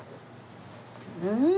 うん！